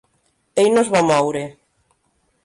Ell no es va moure.